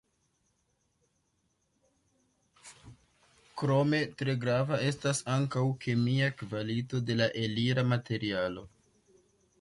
Krome, tre grava estas ankaŭ kemia kvalito de la elira materialo.